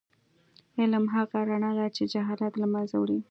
علم هغه رڼا ده چې جهالت له منځه وړي.